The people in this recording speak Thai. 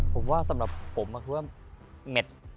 ผมว่าสำหรับผมคือว่าเม็ด